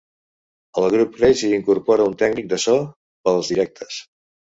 El grup creix i incorpora un tècnic de so pels directes.